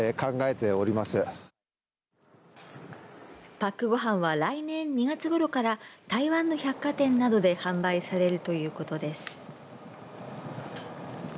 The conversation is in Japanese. パックごはんは来年２月ごろから台湾の百貨店などで販売されるということです。